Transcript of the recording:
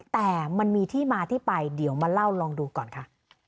แต่มันมีที่มาที่ไปเดี๋ยวมาเล่าลองดูก่อนค่ะ